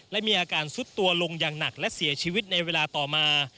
และมีอาการซุดตัวลงอย่างหนักและเสียชีวิตในเวลาต่อมา